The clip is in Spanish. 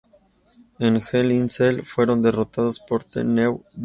En Hell in a Cell, fueron derrotados por The New Day.